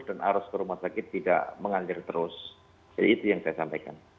dan arus korona sakit tidak mengalir terus jadi itu yang saya sampaikan